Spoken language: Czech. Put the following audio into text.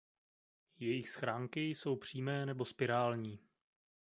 Jejich schránky jsou přímé nebo spirální.